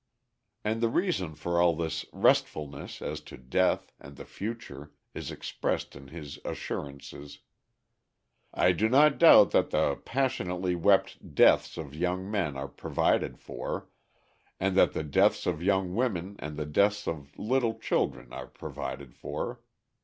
And the reason for all this restfulness as to Death and the Future is expressed in his Assurances: "I do not doubt that the passionately wept deaths of young men are provided for, and that the deaths of young women and the deaths of little children are provided for.